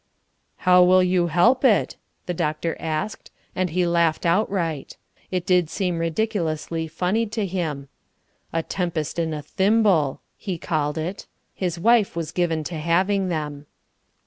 "How will you help it?" the doctor asked, and he laughed outright. It did seem ridiculously funny to him. "A tempest in a thimble," he called it. His wife was given to having them.